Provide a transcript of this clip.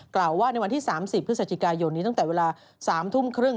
กล่าวว่าในวันที่๓๐พฤศจิกายนนี้ตั้งแต่เวลา๓ทุ่มครึ่ง